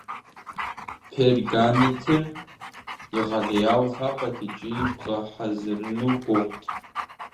Пергаментыр егъэлеяуэ лъапӏэт икӏи бгъэхьэзрыну гугъут.